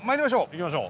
行きましょう。